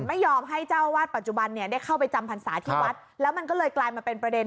ไม่ยอมให้เจ้าวาดปัจจุบันเนี่ยได้เข้าไปจำพรรษาที่วัดแล้วมันก็เลยกลายมาเป็นประเด็น